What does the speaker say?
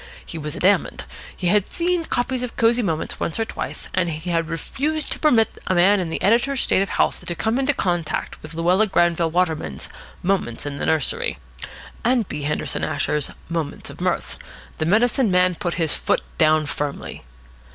He was adamant. He had seen copies of Cosy Moments once or twice, and he refused to permit a man in the editor's state of health to come in contact with Luella Granville Waterman's "Moments in the Nursery" and B. Henderson Asher's "Moments of Mirth." The medicine man put his foot down firmly.